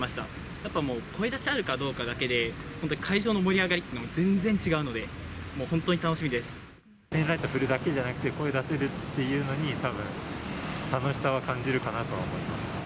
やっぱもう、声出しあるかどうかだけで、本当、会場の盛り上がりっていうのは全然違うので、もう本当に楽ペンライト振るだけじゃなくて、声出せるっていうのに、たぶん、楽しさは感じるかなとは思いますね。